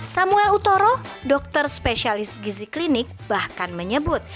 samuel utoro dokter spesialis gizi klinik bahkan menyebut